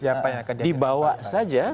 dibawa saja ke kantornya